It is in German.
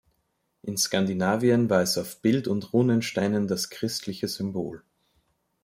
In Skandinavien war es auf Bild- und Runensteinen das christliche Symbol.